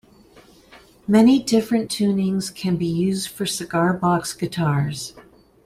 Many different tunings can be used for cigar box guitars.